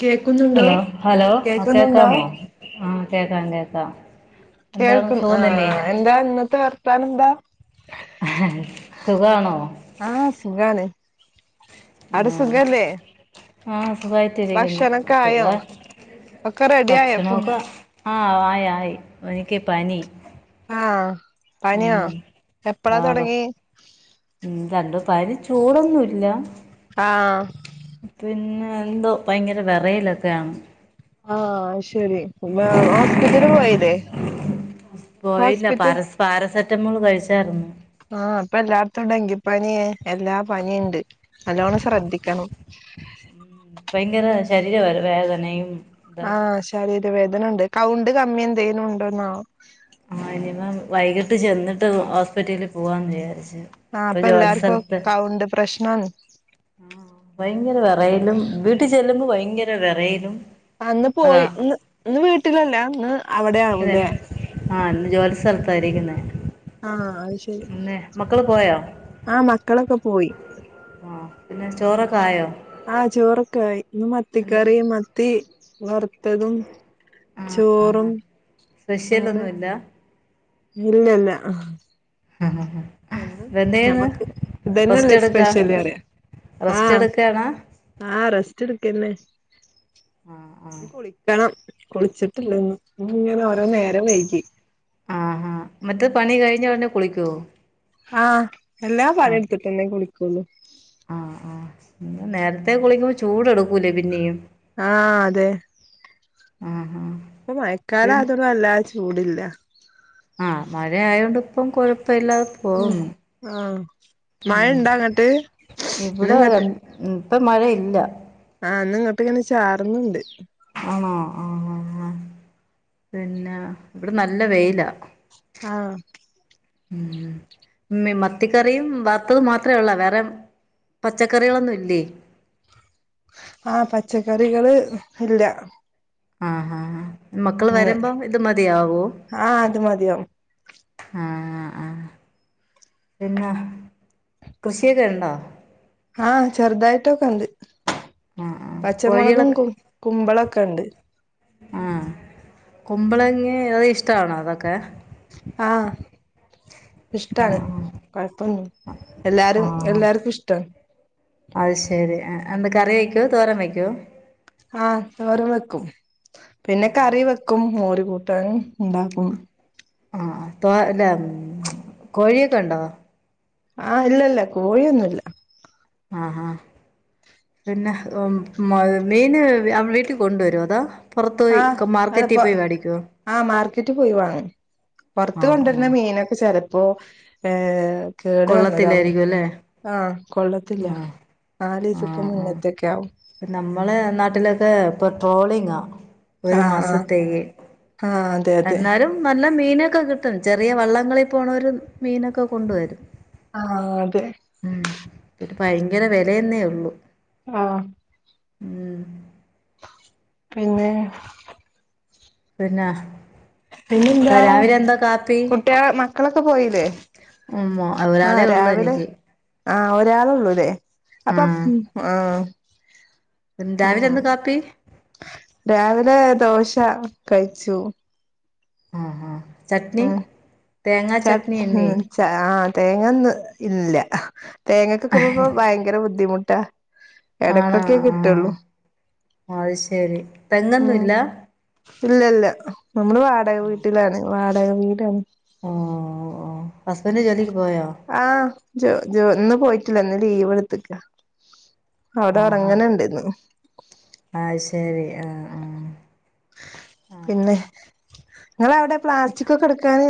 കേക്കുന്നുണ്ടോ hello hello ആ കേക്കുന്നുണ്ടോ കേക്കാമോ ആ കേക്കാം കേക്കാം എന്താണ് കേൾക്കും ആ സുഖം തന്നെ എന്താന്നത്തെ വർത്താനന്താ സുഖാണോ ആ സുഖാണ് അവിടെ ഉം സുഖല്ലേ ആ സുഖായിട്ടിരിക്കുന്നു ഭക്ഷണൊക്കെ ആയോ സുഖാ ഒക്കെ റെഡി ആയോ ഫുഡ് ഭക്ഷണൊക്കെ ആ ആയി ആയി എനിക്ക് പനി ആഹ് ഉം [unintelligible] ഉം രണ്ട് പനി ചൂടൊന്നുല്ല ആ പിന്നെ എന്തോ ഭയങ്കര വെറയലൊക്കെയാണ് ആഹ് അയ്ശെരി [unintelligible] ഹോസ്പിറ്റല് പോയില്ലേ പോയില്ല ഹോസ്പിറ്റൽ പാരസ് പാരസെറ്റമോൾ കഴിച്ചാര്ന്നു. ആഹ് ഇപ്പൊ എല്ലാട്ത്തും ഡെങ്കിപ്പനി എല്ലാ പനിണ്ട് നല്ലോണം ശ്രദ്ധിക്കണം ഭയങ്കര ശരീര വര വേദന ഈ ആ ശാരീരവേദനണ്ട് കൗണ്ട് കമ്മിന്തേലുണ്ടോന്നാവോ ആ ഇനീപ്പോ വൈകിട്ട് ചെന്നിട്ട് ഹോസ്പിറ്റൽ പോവാൻ വിചാരിച് ആ ഇപ്പൊല്ലാർക്കും കൗണ്ട് പ്രശ്നാണ് ഉം ഭയങ്കര വെറയലും വീട്ടിൽ ചെല്ലുമ്പോ ഭയങ്കര വെറയിലും ആ അന്ന് പോയി ഇന്ന് ഇന്ന് വീട്ടിലല്ല ഇന്ന് അവിടെ ആവുംല്ലേ [inaudible] ആ ഇന്ന് ജോലി സ്ഥലത്തായിരിക്കുന്നേ ആ അത്ശരി പിന്നെ മക്കള് പോയോ ആ മക്കളൊക്കെ പോയി ആ പിന്നെ ചോറൊക്കെ ആയോ ആഹ് ചോറക്കായി ഇന്ന് മത്തി എന്താ കറിം മത്തി വറ് ത്തതും ചോറും അങ്ങനെ സ്പെഷ്യലൊന്നുമില്ല ഇല്ലല്ല എന്നും എന്തെയ്യ്ന്ന് ഞമ്മക്ക് റസ്റ്റ് ഇതന്നെല്ലേ എടുക്കാ സ്പെഷല് പറിയാ ആ റസ്റ്റ് എടുക്കാണാ ആ റസ്റ്റ് എട് കെന്നെ ആ ആ ഇൻകുളിക്കണം കുളിച്ചിട്ടില്ല ഇന്നും ഇങ്ങനെ ഓരോ നേരം വൈകി ആഹാ മറ്റ് പണി കഴിഞ്ഞുടനെ കുളിക്കോ ഹാ എല്ലാം പണിട്ത്തിട്ടെന്നെ കുളിക്കുള്ളൂ ആഹ് ആഹ് നേരത്തെ കുളിക്കുമ്പോ ചൂട് എട്ക്കൂലേ പിന്നിം ആ അതെ ആ പ്പൊ മഴക്കാലായതൊണ്ട് വല്ലാ ചൂടില്ല ആ മഴയായോണ്ട്പ്പം കൊഴപ്പല്ലാതെ ഉം പോകുന്നു ആഹ് മഴ ഉം ഇണ്ടാ അങ്ങട്ട് ഇന്ന് ഇവ്ടെ രണ്ട് ഉം ഇപ്പം മഴയില്ല ആഹ് ഇന്ന് ഇങ്ങോട്ട് ഇങ്ങനെ ചാർന്ന്ണ്ട് ആണോ ആ പിന്നെ ഇവ്ടെ നല്ല വെയിലാ ആഹ് ഉം മ മത്തിക്കറിയും വറത്തത് മാത്രേ ഒള്ളോ വേറെ പച്ചക്കറികളൊന്നും ഇല്ലേ ആഹ് പച്ചക്കറികള് ഇല്ല ആഹ് ആഹ് ആഹ് മക്കള് ഇന്ന് വരുമ്പോ ഇത് മതിയാവോ ആ അത് മതിയാവും ആഹ് ആഹ് പിന്നെ കൃഷിയൊക്കെ ഒണ്ടോ ആഹ് ചെറുതായിട്ടൊക്കെണ്ട് ആഹ് ആഹ് പച്ചമൊളകും കോഴികളൊക്കെ കു കുമ്പളം ഒക്കെണ്ട് ആ കുമ്പളങ്ങ അത് ഇഷ്ടവാണോ അതൊക്കെ ആഹ് ഇഷ്ട്ടാണ് ആഹ് കൊഴപ്പൊന്നും എല്ലാരും ആഹ് എല്ലാർക്കും ഇഷ്ട്ടാണ് അത് ശെരി എന്താ കറി വെക്കോ തോരം വെക്കോ ആഹ് തോരൻ വെക്കും പിന്നെ കറി വെ ക്കും മൊര് കൂട്ടാൻ ണ്ടാക്കും ആഹ് തോ കോഴിയൊക്കെ ഒണ്ടോ ആഹ് ഇല്ല ഇല്ല കോഴിയൊന്നുല്ല ആഹ് ആഹ് പിന്നെ മ മീന് അവ വീട്ടിൽ കൊണ്ടുവരുവൊ അതോ പുറത്ത് പോയി ആഹ് അതപ്പ മാർക്കറ്റിൽ പോയി മേടിക്കുവോ ആഹ് മാർക്കറ്റി പോയി വാങ്ങും പൊറത്ത് ആഹ് കൊണ്ടുവരുന്ന ആഹ് മീനൊക്കെ ചെലപ്പോ ഏ കേട് വന്നതാവും കൊള്ളത്തില്ലായിരിക്കും അല്ലേ ആഹ് കൊള്ളത്തില്ല ആ നാലീസത്തെ ആ മുന്നത്തൊക്കെ ആവും നമ്മളെ നാട്ടിലൊക്കെ പ്പ പെട്രോളിങ്ങാ ഒരു ആഹ് ആഹ് മാസത്തേക്ക് ആഹ് അതെ അതെ എന്നാലും നല്ല മീനൊക്കെ കിട്ടും ചെറിയ വള്ളങ്ങളിൽ പോണോരും മീനൊക്കെ കൊണ്ടുവരും ആഹ് അതെ ഒരു ഭയങ്കര വിലയന്നേ ഒള്ളു ആഹ് പിന്നെ പിന്ന പിന്നെന്താ കുട്ടിക മക്കളൊക്കെ പോയില്ലേ ഉമ്മോ ഒരാളെ ഒള്ളു എനിക്ക് ആ ഒരാളെ ഒള്ളൂലെ അപ്പൊ ആഹ് ആഹ് പിന്നെ രാവിലെ ഉം എന്ത് കാപ്പി രാവിലെ ദോശ കഴിച്ചു ആഹ് ഹ് ഹ് ചട്ട്ണി ഉം ച ആഹ് തേങ്ങ ന്ന് ഇല്ലാ തേങ്ങക്ക്ക്കെ ഭയങ്കര ബുദ്ധിമുട്ടാ ആണോ എടക്കൊക്കെ ആഹ് കിട്ട്ള്ളൂ അത് ശരി ഉം തെങ്ങൊന്നുല്ല ഇല്ല ഇല്ല നമ്മള് വാടക വീട്ടിലാണ് വാടക വീടാണ് ഓ ഓ ഹസ്ബന്റ് ജോലിക്ക് പോയോ ആഹ് ജോ ജോ ഒന്ന് പോയിട്ടില്ലന്ന് ലീവ് എടുത്ത്ക്ക അവിടെ ആഹ് ഒറങ്ങ്ണ് ആഹ് ണ്ട്ഇന്ന് അത് ശരി ആഹ് ആ പിന്നെ നിങ്ങള അവിടെ പ്ലാസ്റ്റിക് ഒക്കെ എടുക്കൻ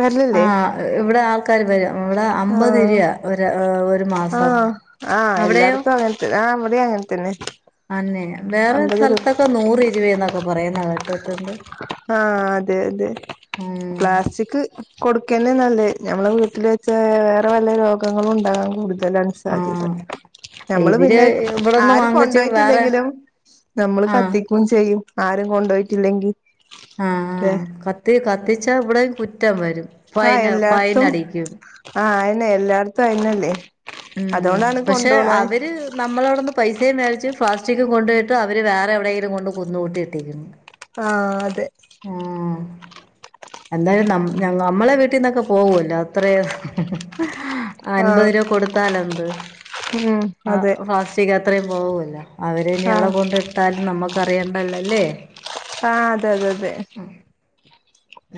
വരിലല്ലേ ആഹ് ഇവിടെ ആൾക്കാര് വരും ഇവിടെ അമ്പത് ആഹ രൂപ ഒരു ഒരു മാസം ആഹ ആഹ് അവിടെയോ എല്ലായിടത്തും അങ്ങത്ത ആ അത അങ്ങനെ തന്നെ അന്നെ വേറെ അമ്പത് രൂപ സ്ഥലത്തൊക്കെ നൂറ് ഇരുപ എന്നൊക്കെ പറയുന്ന കേട്ടിട്ടുണ്ട് ആഹ അതെ അതെ ഉം പ്ലാസ്റ്റിക് കൊടുക്കന്നെ നല്ലേ നഞമ്മളെ വീട്ടിൽ വെച്ച വേറെ വല്ല രോഗങ്ങളും ഉണ്ടാകാൻ കൂടുത ലാണ് സാധ്യത ആഹ് നമ്മള് ഇവര് പിന്നെ ഇവിടെന്ന് ആര് വാങ്ങിച്ച് വേറെ കൊണ്ടുപോയിട്ടില്ലെങ്കിലും നമ്മള് ആഹ് കത്തിക്കയും ചെയ്യും ആരും കൊണ്ടുപോയിട്ടില്ലെങ്കിൽ ആഹ ആ കത്തി കത്തിച്ച ഇവിടെയും കുറ്റം വരും ആഹ ഫൈന് ഫൈൻ എല്ലായിടത്തും അടിക്കും ആഹ അയിനെ എല്ലായിടത്തും അയിനല്ലേ ഉം പക്ഷെ അവര് നമ്മളവിടന്ന് പൈസയും മേടിച്ചു പ്ലാസ്റ്റിക്കും കൊണ്ടട്ട് അവര് വേറെ എവിടെയെങ്കിലും കൊണ്ട്ുംുന്നുകൂട്ടി ഇട്ടിരിക്കുന്നു ആ അതെ ആഹ എന്നാലും ന നമ്മളെ വീട്ടിൽന്നൊക്കെ പോകല്ലോ അത്രേ അൻപത് ആഹ് രൂപ കൊടുത്താല എന്ത് ഉം ആ അതെ ഫാസ്റ്റിക് അത്രയും പോക അവര ഇനി എവിടെ ആഹ് കൊണ്ട് ഇട്ടാലും നമ്മുക്ക് അറിയണ്ടല്ലല്ലേ അത അതെ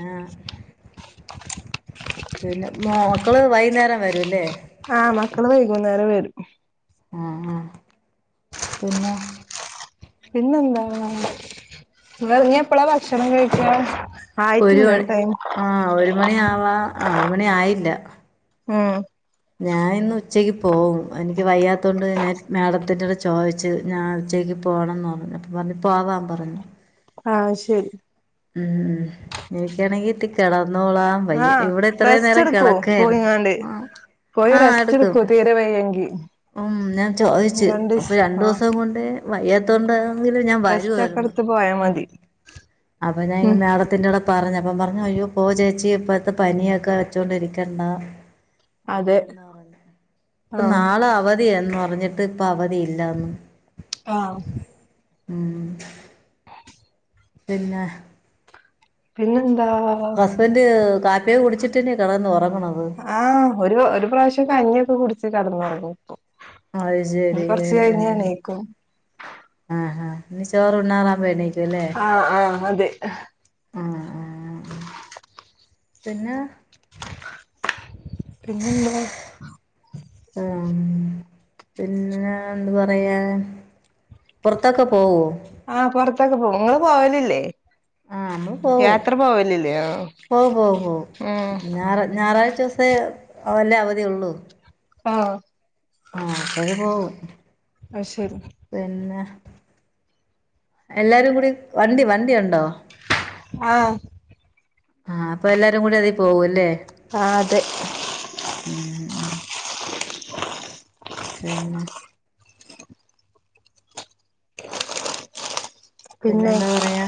ആഹ പിന്നെ മക്കള് വൈകുന്നേരം വരുംല്ലേ ആഹ മക്കള് വൈകുന്നേരം വരും ആഹ ആ പിന്ന പിന്നെന്താ ഇെറങ്ങ എപ്പഴാ ഭക്ഷണം കഴിക്കാ ഒരു ആയിട്ടില്ല മണി ടൈം ആഹ ഒരു മണി ആവാ ആ ഒരു മണി ആയില്ല ആം ഞാൻ ഇന്ന് ഉച്ചക്ക് പോകും എനിക്ക് വയ്യാത്തൊണ്ട് ഞാൻ മാേഡത്തിന്റെടെ ചോദിച്ചു ഞാൻ ഉച്ചേക്ക് പോകണംന്ന് പറഞ്ഞു അപ്പൊ പറഞ്ഞു പോവാൻ പറഞ്ഞു ആഹ ശരി ഉം എനിക്കാണെങ്കി തിക്കാടാ അന്നോളാം പയ്യ ആഹ് ഇവിടെ ഇത്ര റെസ്റ്റ് നേരം എടുക്കൂ കിടക്കായിരുന്നു പോയിങ്ങാണ്ട് പോയി ആഹ് എടുക്കും സ്ിച്ചടുക്ക തീരവ്യങ്കി ഉം ഞാൻ ചോദിച്ചു അപ്പൊ രണ്ടു ആഹ് ദിവസം കൊണ്ട് വയ്യാത്തോണ്ട ഞ വരു റെസ്റ്റ് ഒക്കെ എടുത്ത് പോയാ മതി ഉം അഞ പറഞ്ഞപ്പം പറഞ്ഞു അയ്യോ പോ ചേച്ചി ഇപ്പത്തെ പനിയൊക്കെ വെച്ചോണ്ടിരിക്കണ്ട ആ അതെ പറഞ്ഞ ഇപ്പ ആഹ് നാളെ അവ ന്ന് പറഞ്ഞിട്ട് ഇപ്പൊ അവധി ഇല്ലന്ന് ആഹ ഉ പിന്ന പിന്നെന്താ കാപ്പിയെ കുടിച്ചിട്ട്ന്ന കടന്നന്ന്റ ആഹ ഒരു ഒരു പ്രാവശ്യംൊക്കെ അഞ്ഞിയൊക്കെ കുടിച്ച് കടന്നുരുന്നു ഇപ്പ അത് ശരി എണീക്കും ആഹ ഇ ചോറ് ഉണ്ണറ വേണേക്കുംല്ലേ ആഹ് ആഹ് അതെ ആ ആ പിന്നെ എങ്ങുംണ്ടോ ഉം പിന്നെ എന്താ പറയാ പുറത്തൊക്കെ പോവോ ആഹ പുറത്തൊക്കെ പോും നിങ്ങള്ൾ പോവലല്ലേ ആഹ നമ്മള് പോക ആഹ് പോ പോ പോ ഉം ഞായറ ഞായറാഴ്ച ദിവസേ വല്ലേ അവധിയള്ളു ആഹ ആഹ അപ്പോഴ പോകും അത് ശരി പിന്നെ എല്ലാരും കൂടി വണ്ടി വണ്ടി ഉണ്ടോ ആഹ ആഹ് അപ്പൊ എല്ലാരും കൂടി അതി പോകുംല്ലേ അ അതെ പിന്ന പിന്നെ എന്താ പറയാ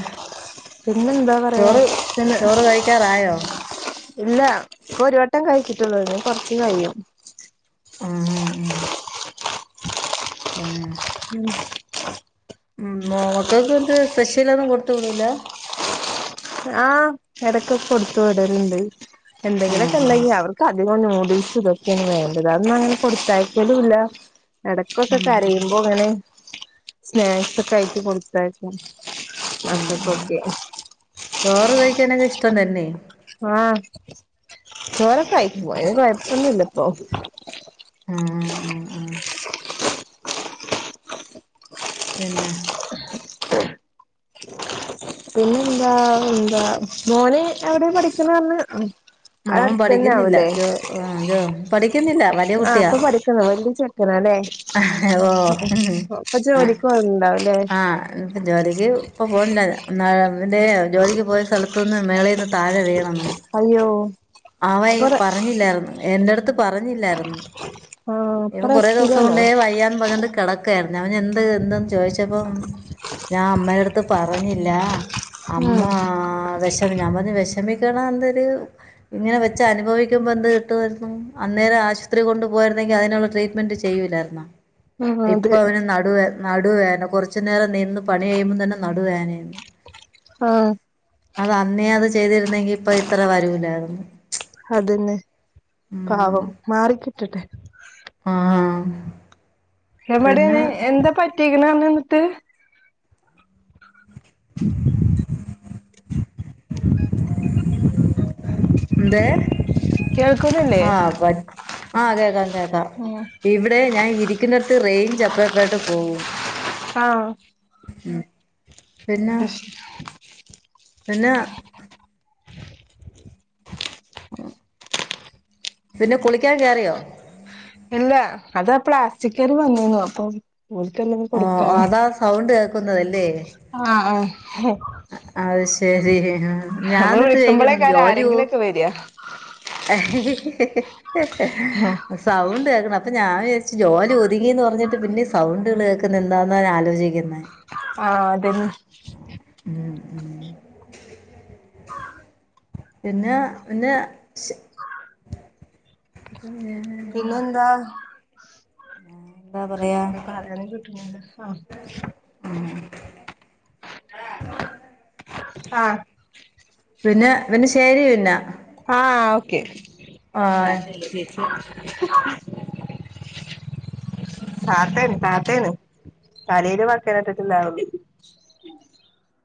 പിന്നെന്താ പറയാ ചോറ് പിന്നെ ചോറ് കഴിക്കാറായോ ഇല്ല ഒരു വട്ടം കഴിച്ചിട്ടുള്ളൂകൊറച്ച് കഴിയും ആഹ ആഹ് ആഹ ആഹ ഉം [unintelligible] ആഹ് ഇടക്കൊക്കെ കൊടുത്തു വിടലുണ്ട് എന്തെങ്കിലൊക്കെ ആഹ് ഉണ്ടെങ്കിൽ അവർക്ക് അധികോം നൂ ഡിൽസും ഇതൊക്കെയാണ് വേണ്ടത് അന്നും അങ്ങനെ കൊടുത്തയാക്കലും ഇല്ല ആഹ് ഇടക്കൊക്കെ ഉം കരയുമ്പോ അങ്ങനെ സ്നാക്സ് ഒക്കെ ആയിട്ടി കൊടുത്തയക്കും ആഹ് ആഹ് നസപ്പൊക്കെ ചോറ് കഴിക്കാനൊക്കെ ഇഷ്ടം തന്നെ ആ ചോറൊക്കെ കഴിക്കും കൊഴപ്പം ഒന്നൂല്യായിപ്പോ ആഹ് ആഹ് ആഹ് പിന്നെ പിന്നെ എന്താ എന്താ മോന് അവിടെ പഠിക്കണ പറഞ്ഞ അടെ മോൻ അടുത്ത് തന്നെ പഠിക്കുന്നില്ല ആാവല്ലേ ജോ ആഹ് ജോ പഠിക്കുന്നില്ല ആഹ അപ്പൊ പഠിക്കുന്നു വല്ല്യ ചെ ഓ ആ ഇപ്പൊ ജോലിക്ക് [unintelligible] പോവുന്നുണ്ടാവുല്ലേ അപ്പ പോകണില്ലാ എറെ ജോലിക്ക് പോയ സ്ഥലത്തുന്ന് മേളേൽ നിന്ന് താഴെ വീണം അയ്യോ അവന് ഇപ്പൊ റെ പറഞ്ഞില്ലായിരുന്നു എന്റെ അടുത്ത് പറഞ്ഞില്ലായിരുന്നു ആഹ് ഇപ്പൊ ഇപ്പം കുറെേ ദിവസം റെസ്റ്റിലാണോ കൊണ്ട് വയ്യാന്ന് പറഞ്ഞണ്ട് കിട അവൻ എന്ത് എന്തന്ന് ചോയിച്ചപ്പം ഞാൻ അമ്മേനടുത്ത് പറഞ്ഞില്ല ഉം അമ്മ വിഷമി ഞാൻ പറഞ്ഞ വിഷമിക്കണ എന്തരു ഇങ്ങനെ വെച്ച അനുഭവിക്കുമോൾ എന്ത് കിട്ടമായിയിരുന്നു അന്നേര ആശുപത്രി കൊണ്ട് പോയിരുന്നെങ്ക അതിനുള്ള ട്രീറ്റ്മെന്റ് ചെയ്യല്ല ഉം ഇപ്പൊ അതെ അവന് നടുവ നടുവേന കുറച്ചു നേരം നിന്ന് പണി കഴുമ്പോം തന്നെ നടുവേനായിരുന്നു ആഹ് അത് അന്നേ അത് ചെയ്തിരുന്നെങ്കി ഇപ്പൊ ഇത്ര വരൂലായിരുന്നു അതന്നെ ഉം പാവം മാറിക്കിട്ടട്ടെ ആ [unintelligible] പിന്നെ എമ്മടനെ എന്താ പറ്റക്കണ പറഞ്ഞ് ന്നിട്ട് [unintelligible] ന്തെ കേൾക്ക ആഹ് പ ആഹ അതെ അതെ ഉം ഇവിടെ ഞാൻ ഇരിക്കുന്നടുത്ത് റേഞ്ച് അപ്പ അപ്പട്ട് പോവും ആഹ് പിന്നെ [unintelligible] പിന്നെ പിന്നെ കുളിക്കാൻ കേയറിയോ ഇല്ല അതാ പ്ലാസ്റ്റിക്കര് വന്നിന്നു അപ്പോ ഓ അതാ സൗണ്ട് കേൾക്കുന്നതല്ലേ? ആഹ ആഹ ചേരി ഞാൻ എന്നിട്ട് ചോയ്ക്കാണ് ജോലി കോ ആരെങ്കിലൊക്കെ വരിക സൗണ്ട് കേ അപ്പൊ ഞാൻ വിചരിച്ച് ജോലി അപ്പോ ഞാൻ വിചാരിച്ചു ജോലി ഒതുങ്ങിന്ന് പറഞ്ഞിട്ട് പിന്നെ സൗണ്ടുകൾ കേക്ക എന്താന്ന ഞാൻ ആലോചിക്കുന്നെ ആഹ അതന്നെ ഉ ഉ പിന്നെ പിന്നെ ശ് പിന്ന പിന്നെന്താ ആ പറയാൻ കിട്ട്ണില്ല ആ ആഹ പിന്നെ പിന്നെ ശരി പിന്നെ ആഹ ഓക്കെ ആഹ് [unintelligible] താത്തേണ് താത്തേണ് തലയില് മക്കന ഇട്ടിട്ടില്ല ഉള്ളു [unintelligible]